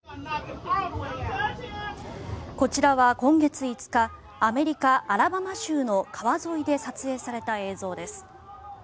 こちらは今月５日アメリカ・アラバマ州の川沿いで撮影された映像です。